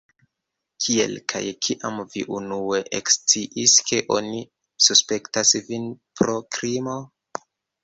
Kiel kaj kiam vi unue eksciis, ke oni suspektas vin pro krimo?